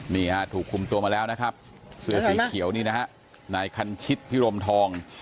นี่ฮะถูกคุมตัวมาแล้วนะครับเสื้อสีเขียวนี่นะฮะนายคันชิตพิรมทอง